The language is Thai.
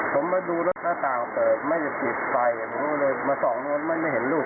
ผมมาดูรถหน้าตาของเตย์ก็ไม่ได้ผิดไฟงั้นหรืออะไรมาส่องนั่นไม่เห็นลูก